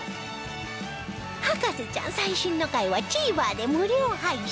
『博士ちゃん』最新の回は ＴＶｅｒ で無料配信